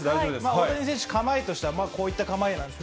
大谷選手、構えとしては、こういう構えなんです。